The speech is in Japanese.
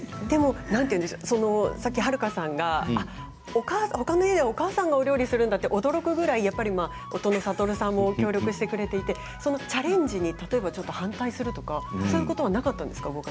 でもさっき、はるかさんがほかの家ではお母さんがお料理するんだって驚くぐらいやっぱり、夫の覚さんも協力してくれていてそのチャレンジに例えば、ちょっと反対するとかそういうことはなかったんですか？